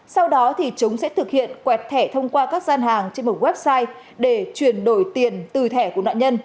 sau đó thì chúng sẽ thực hiện quẹt thẻ thông qua các gian hàng trên một website để chuyển đổi tiền từ thẻ của nạn nhân